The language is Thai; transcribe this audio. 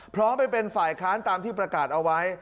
พร้อมไปเป็นฝ่ายค้านตามที่ประกาศเอาไว้